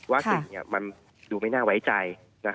สิ่งมันดูไม่น่าไว้ใจ